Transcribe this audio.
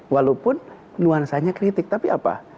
walaupun nuansanya kritik tapi apa